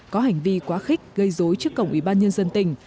có hành vi quá khích gây dối trước cổng ủy ban nhân dân tỉnh